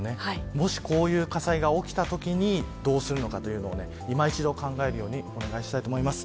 もしこういう火災が起きたときにどうするのかというのを今一度考えるようにお願いしたいと思います。